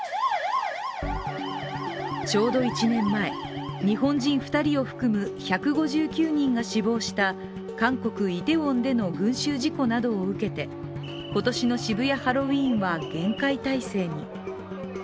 ちょうど１年前、日本人２人を含む１５９人が死亡した韓国イテウォンでの群集事故などを受けて今年の渋谷ハロウィーンは厳戒態勢に。